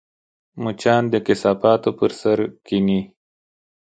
مچان د کثافاتو پر سر کښېني